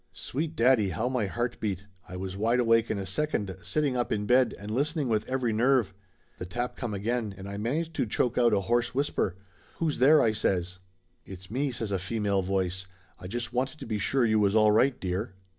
Sweet daddy, how my heart beat ! I was wide awake in a second, sitting up in bed and listening with every nerve. The tap come again, and I managed to choke out a hoarse whisper. "Who's there?" I says. "It's me!" says a female voice. "I just wanted to be sure you was all right, dear!"